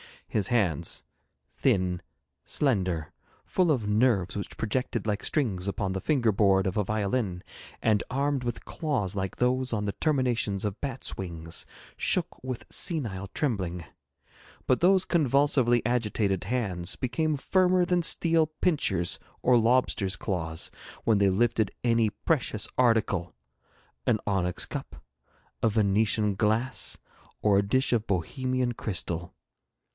His hands thin, slender, full of nerves which projected like strings upon the finger board of a violin, and armed with claws like those on the terminations of bats' wings shook with senile trembling; but those convulsively agitated hands became firmer than steel pincers or lobsters' claws when they lifted any precious article an onyx cup, a Venetian glass, or a dish of Bohemian crystal.